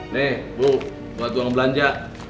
nih bu buat uang belanja